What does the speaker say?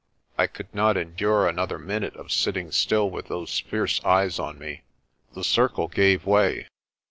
I could not endure another minute of sitting still with those fierce eyes on me. The circle gave way.